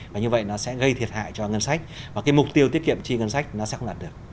và như vậy nó sẽ gây thiệt hại cho ngân sách và cái mục tiêu tiết kiệm chi ngân sách nó sẽ không đạt được